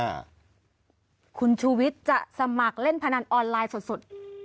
คุณชูวิทย์จะสมัครเล่นพนันออนไลน์สด